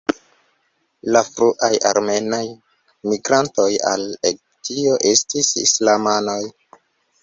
La fruaj armenaj migrantoj al Egiptio estis islamanoj.